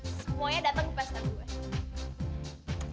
semuanya datang ke pasar gue